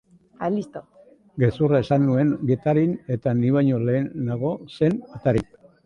Gezurra esan nuen Getarian eta ni baino lehenago zen atarian.